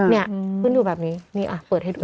นี่เพิ่งดูแบบนี้นี่เปิดให้ดู